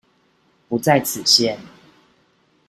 不在此限